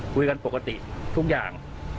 คุยกันปกติทุกอย่าง